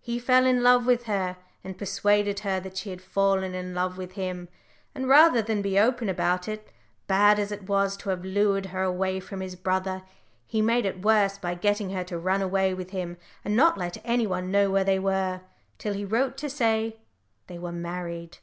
He fell in love with her, and persuaded her that she had fallen in love with him, and rather than be open about it, bad as it was to have lured her away from his brother, he made it worse by getting her to run away with him, and not let any one know where they were, till he wrote to say they were married.